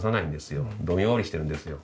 どんよりしてるんですよ。